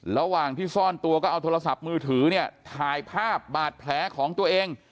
ระหว่างที่ซ่อนตัวก็เอาโทรศัพท์มือถือเนี่ยถ่ายภาพบาดแผลของตัวเอง